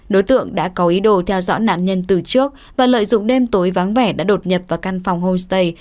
đối tượng đã có ý đồ theo dõi nạn nhân từ trước và lợi dụng đêm tối vắng vẻ đã đột nhập vào căn phòng homestay